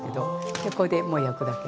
でこれでもう焼くだけ。